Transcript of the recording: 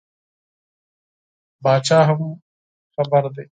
پاچا هم خبر دی.